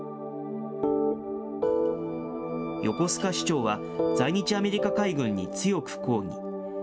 横須賀市長は、在日アメリカ海軍に強く抗議。